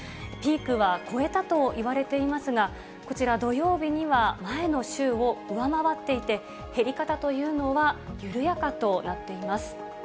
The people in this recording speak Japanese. ピークは越えたといわれていますが、こちら土曜日には、前の週を上回っていて、減り方というのは緩やかとなっています。